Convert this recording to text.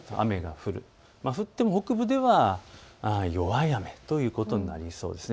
降っても北部では弱い雨ということになりそうですね。